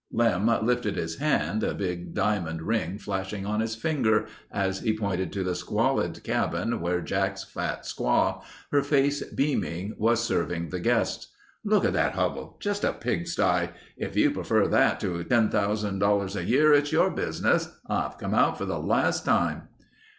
Lem lifted his hand, a big diamond ring flashing on his finger as he pointed to the squalid cabin where Jack's fat squaw, her face beaming, was serving the guests. "Look at that hovel. Just a pig sty. If you prefer that to $10,000 a year, it's your business. I've come out for the last time...."